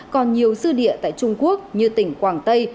còn nhiều sư địa tại trung quốc như tỉnh quảng tây